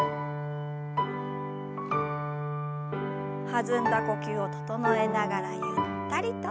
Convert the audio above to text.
弾んだ呼吸を整えながらゆったりと。